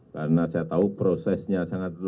karena saya tahu prosesnya sangat penting